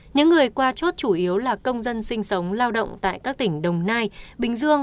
những người qua chốt chủ yếu là công dân sinh sống lao động tại các tỉnh đồng nai bình dương